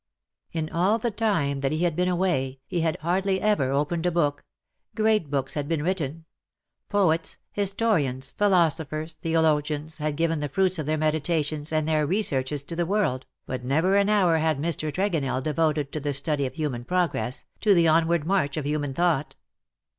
In all the time that he had been away he had hardly ever opened a book^ Great books had been written. Poets, historians, philosophers, theologians had given the fruits of their meditations and their researches to the world, but never an hour had Mr. Tregonell devoted to the study of human progress, to the onward march of human thought.